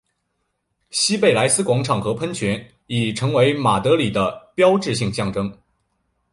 西贝莱斯广场和喷泉已成为马德里的标志性象征。